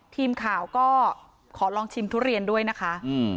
ทีมข่าวก็ขอลองชิมทุเรียนด้วยนะคะอืม